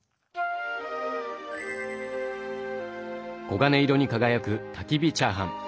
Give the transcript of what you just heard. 黄金色に輝くたきび火チャーハン！